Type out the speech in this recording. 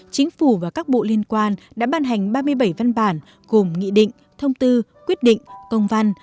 chính phủ và các bộ liên quan đã ban hành ba mươi bảy văn bản gồm nghị định thông tư quyết định công văn